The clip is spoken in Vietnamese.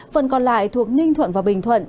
phần còn lại thuộc ninh thuận và bình thuận